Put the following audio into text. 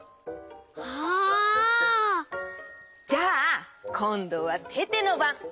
あ！じゃあこんどはテテのばん！